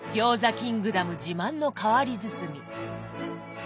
キングダム自慢の変わり包み。